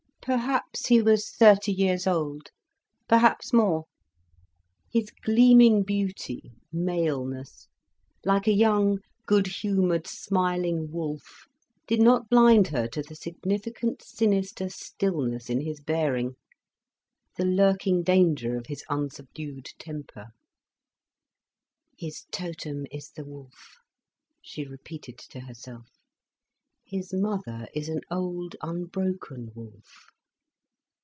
Perhaps he was thirty years old, perhaps more. His gleaming beauty, maleness, like a young, good humoured, smiling wolf, did not blind her to the significant, sinister stillness in his bearing, the lurking danger of his unsubdued temper. "His totem is the wolf," she repeated to herself. "His mother is an old, unbroken wolf."